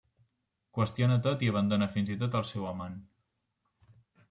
Qüestiona tot i abandona fins i tot el seu amant.